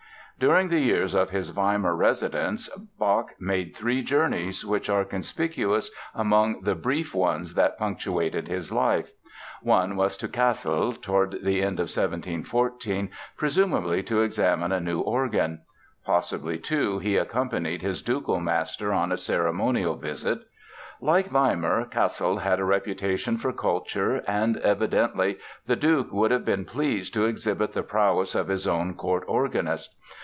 During the years of his Weimar residence Bach made three journeys which are conspicuous among the brief ones that punctuated his life. One was to Cassel toward the end of 1714, presumably to examine a new organ. Possibly, too, he accompanied his ducal master on a ceremonial visit. Like Weimar, Cassel had a reputation for culture and evidently the Duke would have been pleased to exhibit the prowess of his own court organist.